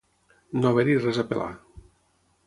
No haver-hi res a pelar.